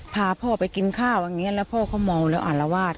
พาพ่อไปกินข้าวอย่างนี้แล้วพ่อเขาเมาแล้วอารวาส